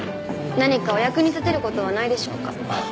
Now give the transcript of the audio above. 何かお役に立てる事はないでしょうか？